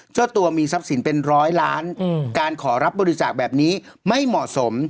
เจ้าตัวมีทรัพย์สินเป็นร้อยล้านการขอรับบริจาคแบบนี้ไม่เหมาะสม